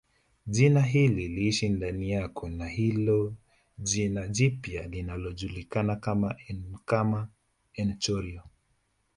Jina hili liishi ndani yako na hilo jina jipya linalojulikana kama enkama enchorio